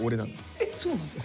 そうなんですか？